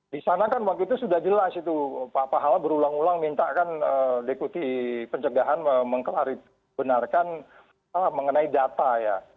di sana kan waktu itu sudah jelas itu pak pahala berulang ulang minta kan dekuti pencegahan mengklarifikasi benarkan mengenai data ya